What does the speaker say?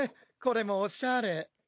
これもおしゃれ。